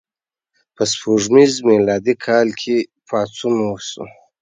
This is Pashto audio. په سپوږمیز میلادي کال کې پاڅون وشو.